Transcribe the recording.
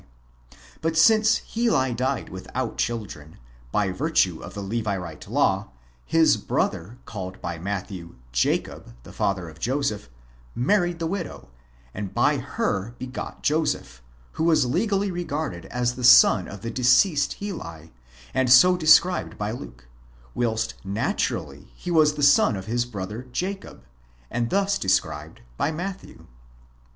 But since Heli died without children, by virtue of the Levirate law, his brother, called by Matthew Jacob the father of Joseph, married the widow, and by her begot Joseph, who was legally regarded as the son of the deceased Heli, and so described by Luke, whilst naturally he was the son of his brother Jacob, and thus described by Matthew.